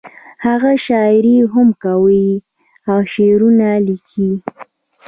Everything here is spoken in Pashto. هغه شاعري هم کوي او شعرونه لیکي